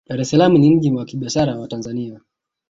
dar es salaam ni mji wa kibiashara wa tanzania